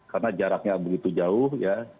karena jaraknya begitu jauh ya